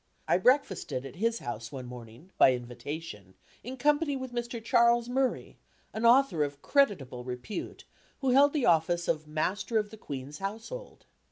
I breakfasted at his house one morning, by invitation, in company with Mr. Charles Murray, an author of creditable repute, who held the office of Master of the Queen's Household.